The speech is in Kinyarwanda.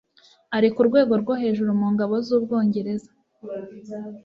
Ari ku rwego rwo hejuru mu ngabo z'Ubwongereza?